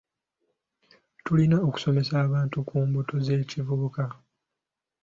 Tulina okusomesa abantu ku mbuto z'ekivubuka.